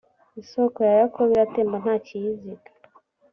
isoko ya yakobo iratemba nta kiyiziga.